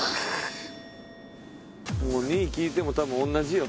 もう２位聞いても多分同じよ。